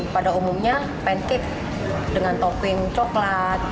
pada umumnya pancake dengan topping coklat